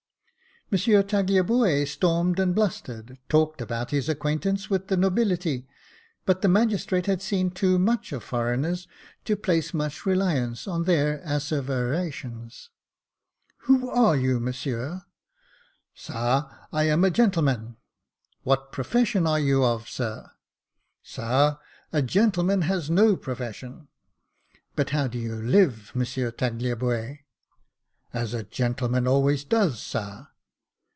Monsieur Tagliabue stormed and blustered, talked about his acquaintance with the nobility ; but the magistrate had seen too much of foreigners to place much reliance on their asseverations. " Who are you, monsieur ?"" Sar, I am a gentleman," " What profession are you of, sir ?"" Sar, a gentleman has no profession." " But how do you live. Monsieur Tagliabue ?"" As a gentleman always does, sar."